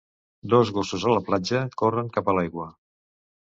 Dos gossos a la platja corrent cap a l'aigua